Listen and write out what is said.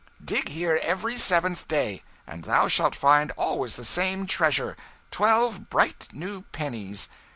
Dig here every seventh day, and thou shalt find always the same treasure, twelve bright new pennies.